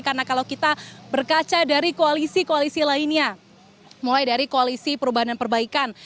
karena kalau kita berkaca dari koalisi koalisi lainnya mulai dari koalisi perubahan dan perbaikan